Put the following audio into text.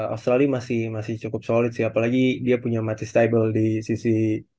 australia masih masih cukup solid apalagi dia punya mati stable di sisi